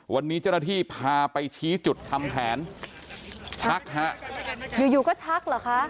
วันนี้เจษฐธิพาไปชี้จุดธรรมแผนชักอยู่ก็ชักเหรอคะ